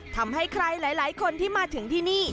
ทำให้ใครหลายคนที่มาถึงที่นี่